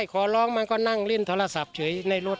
ขอร้องมันก็นั่งเล่นโทรศัพท์เฉยในรถ